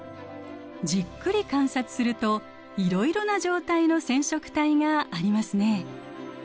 じっくり観察するといろいろな状態の染色体がありますね。